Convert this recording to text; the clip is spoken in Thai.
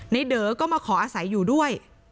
เด๋อก็มาขออาศัยอยู่ด้วย